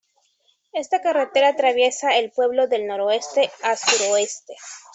Esta carretera atraviesa el pueblo de noreste a suroeste.